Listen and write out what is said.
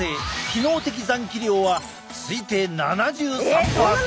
機能的残気量は推定７３％だ。